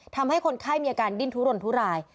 ทำให้คนไข้มีอาการดิ้นทุรนทุราย